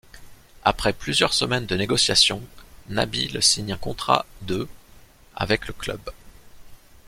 Après plusieurs semaines de négociations, Nabil signe un contrat de avec le club.